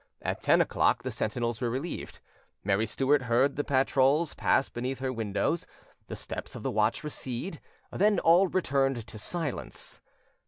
At ten o'clock the sentinels were relieved; Mary Stuart heard the patrols pass beneath her windows, the steps of the watch recede: then all returned to silence.